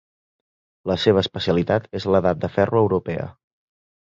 La seva especialitat és l'Edat de ferro europea.